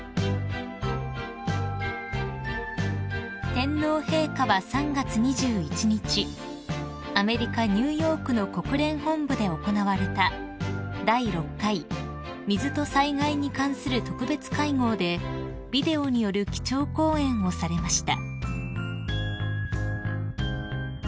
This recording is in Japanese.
［天皇陛下は３月２１日アメリカニューヨークの国連本部で行われた第６回水と災害に関する特別会合でビデオによる基調講演をされました］